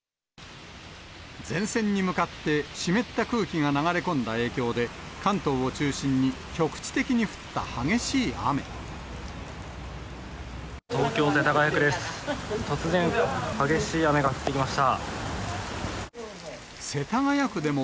前線に向かって湿った空気が流れ込んだ影響で、関東を中心に、東京・世田谷区です。